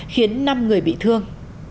khiến năm người bị thương